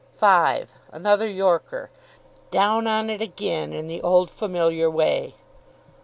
Five: another yorker. Down on it again in the old familiar way.